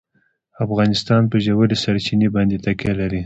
افغانستان په ژورې سرچینې باندې تکیه لري.